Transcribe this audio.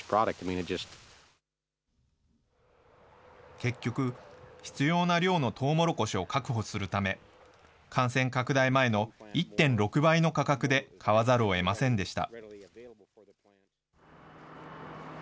結局、必要な量のトウモロコシを確保するため、感染拡大前の１．６倍の価格で買わざるをえませんでした。